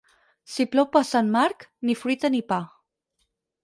Si plou per Sant Marc, ni fruita ni pa.